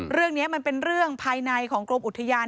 เรื่องนี้มันเป็นเรื่องภายในของกรมอุทยาน